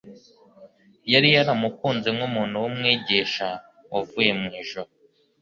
Yari yaramukunze nk'umuntu, nk'Umwigisha wavuye mu ijuru;